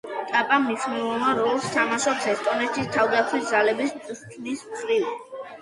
ტაპა მნიშვნელოვან როლს თამაშობს ესტონეთის თავდაცვის ძალების წვრთნის მხრივ.